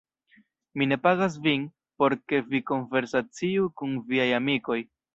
Mi ne pagas vin, por ke vi konversaciu kun viaj amikoj.